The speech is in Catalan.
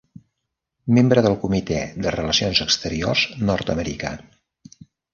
Membre del Comitè de Relacions Exteriors nord-americà.